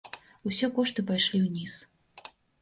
Усе кошты пайшлі ўніз.